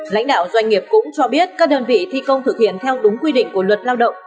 lãnh đạo doanh nghiệp cũng cho biết các đơn vị thi công thực hiện theo đúng quy định của luật lao động